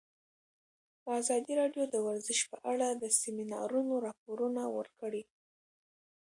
ازادي راډیو د ورزش په اړه د سیمینارونو راپورونه ورکړي.